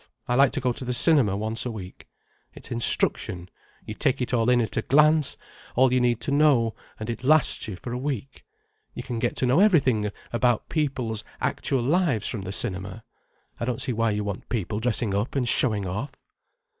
I like to go to the cinema once a week. It's instruction, you take it all in at a glance, all you need to know, and it lasts you for a week. You can get to know everything about people's actual lives from the cinema. I don't see why you want people dressing up and showing off."